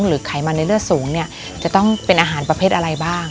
ไขมันในเลือดสูงเนี่ยจะต้องเป็นอาหารประเภทอะไรบ้าง